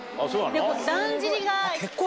だんじりが。